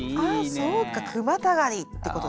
ああそうか「句またがり」ってことですね。